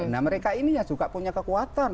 nah mereka ini ya juga punya kekuatan